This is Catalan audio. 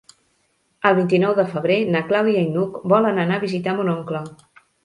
El vint-i-nou de febrer na Clàudia i n'Hug volen anar a visitar mon oncle.